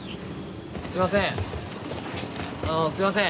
すいません